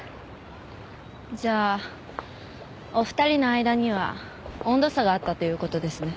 じゃあお二人の間には温度差があったということですね？